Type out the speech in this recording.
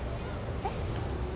えっ？